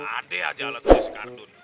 ada aja alas dari sekardun